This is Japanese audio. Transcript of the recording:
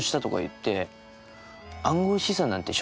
って。